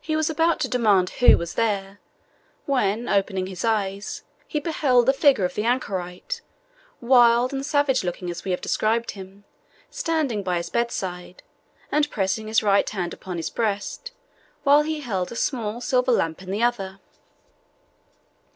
He was about to demand who was there, when, opening his eyes, he beheld the figure of the anchorite, wild and savage looking as we have described him, standing by his bedside, and pressing his right hand upon his breast, while he held a small silver lamp in the other.